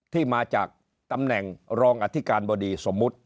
ที่มาจากตำแหน่งรองอธิการบดีสมมุติ